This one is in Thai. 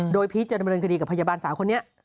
โดยพีชจะดำเนินคดีกับพยาบาลสาวคนนี้